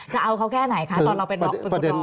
จะเอาเขาแค่ไหนคะตอนเราไปรอง